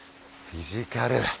フィジカル。